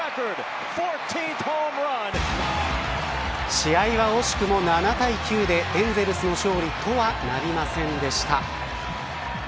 試合は惜しくも７対９でエンゼルスの勝利とはなりませんでした。